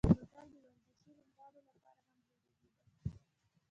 بوتل د ورزشي لوبغاړو لپاره هم ضروري دی.